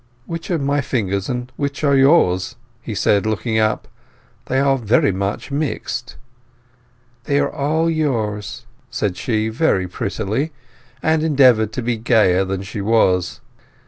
"Which are my fingers and which are yours?" he said, looking up. "They are very much mixed." "They are all yours," said she, very prettily, and endeavoured to be gayer than she was.